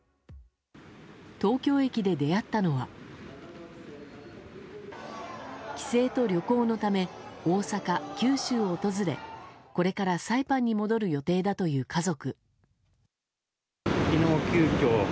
東京駅で出会ったのは帰省と旅行のため大阪、九州を訪れこれからサイパンに戻る予定だという家族。